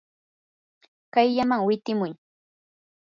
kayllaman witimuy.